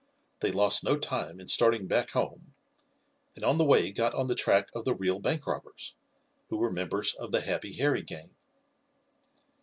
They lost no time in starting back home, and on the way got on the track of the real bank robbers, who were members of the Happy Harry gang.